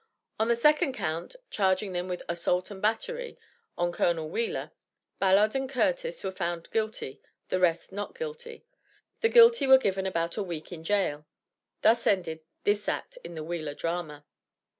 In the second count, charging them with "Assault and Battery" (on Col. Wheeler) Ballard and Curtis were found "guilty," the rest "not guilty." The guilty were given about a week in jail. Thus ended this act in the Wheeler drama.